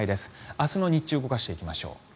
明日の日中動かしていきましょう。